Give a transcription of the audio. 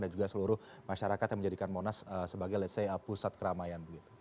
dan juga seluruh masyarakat yang menjadikan monas sebagai let's say pusat keramaian begitu